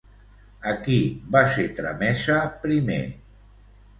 A qui va ser tramesa primer?